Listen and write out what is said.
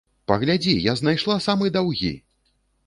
Паглядзі, я знайшла самы даўгі!